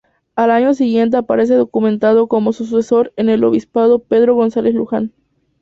Al año siguiente aparece documentado como su sucesor en el obispado Pedro González Luján.